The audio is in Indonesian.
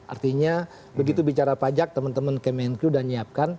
artinya begitu bicara pajak teman teman kemenkyu sudah menyiapkan